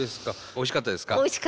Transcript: おいしかったです。